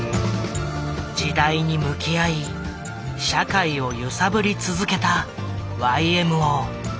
時代に向き合い社会を揺さぶり続けたＹＭＯ。